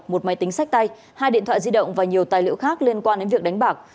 một máy tính sách tay hai điện thoại di động và nhiều tài liệu khác liên quan đến việc đánh bạc